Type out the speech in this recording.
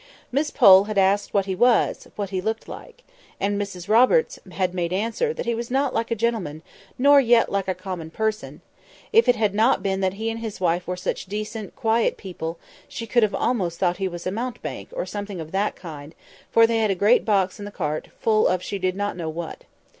Miss Pole had asked what he was, what he looked like. And Mrs Roberts had made answer that he was not like a gentleman, nor yet like a common person; if it had not been that he and his wife were such decent, quiet people, she could almost have thought he was a mountebank, or something of that kind, for they had a great box in the cart, full of she did not know what.